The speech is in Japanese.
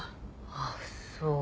あっそう。